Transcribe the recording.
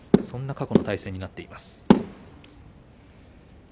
そんな過去の対戦になっています。